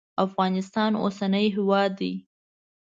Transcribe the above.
افغانستان اوسنی هیواد دی.